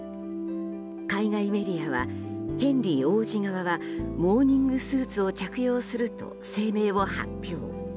海外メディアはヘンリー王子側はモーニングスーツを着用すると声明を発表。